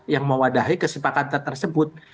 yang mewadahi kesepakatan tersebut